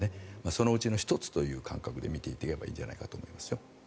そのうちの１つという感覚で見ていけばいいんじゃないかと思いますよ。